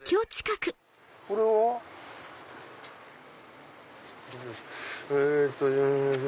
これは？えっと。